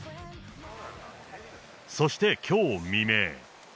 そしてきょう未明。